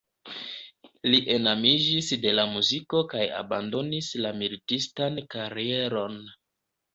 Li enamiĝis de la muziko kaj abandonis la militistan karieron.